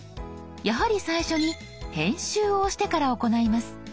やはり最初に「編集」を押してから行います。